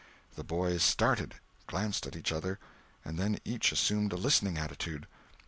The boys started, glanced at each other, and then each assumed a listening attitude.